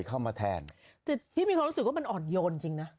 ดูแต่มีความรู้ว่ามันอดโยนจริงเหรอ